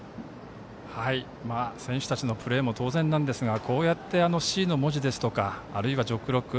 選手たちのプレーも当然なんですがこうやって「Ｃ」の文字ですとかあるいは「ジョックロック」